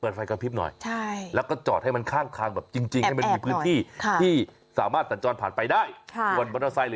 เปิดไฟกับพริมหน่อยแล้วก็จอดให้มันข้างจริงให้มันมีพื้นที่ที่สามารถตัดจอดผ่าน